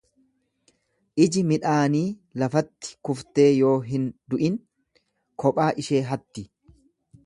Iji midhaanii lafatti kuftee yoo hin du’in kophaa ishee hatti.